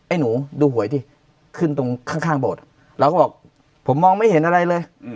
หนูดูหวยดิขึ้นตรงข้างโบสถ์เราก็บอกผมมองไม่เห็นอะไรเลย